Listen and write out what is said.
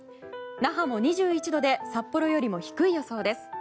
那覇も２１度で札幌よりも低い予想です。